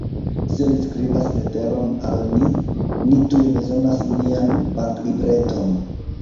Se li skribas leteron al ni, ni tuj bezonas nian banklibreton.